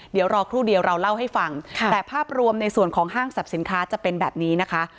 เดี๋ยวรอครู่เดียวเราเล่าให้ฟังแต่ภาพรวมในส่วนของห้างสรรพสินค้าจะเป็นแบบนี้นะคะ